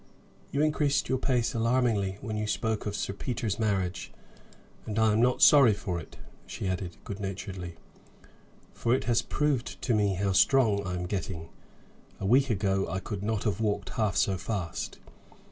"You increased your pace alarmingly when you spoke of Sir Peter's marriage. And I am not sorry for it," she added, good naturedly, "for it has proved to me how strong I am getting. A week ago I could not have walked half so fast."